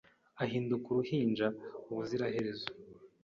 ahinduka uruhinja ubuziraherezo